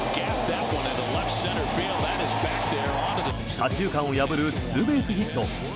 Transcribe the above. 左中間を破るツーベースヒット。